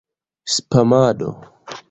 spamado